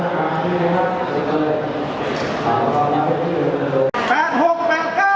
สวัสดีครับสวัสดีครับ